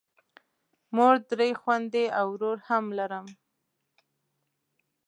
مور، درې خویندې او ورور هم لرم.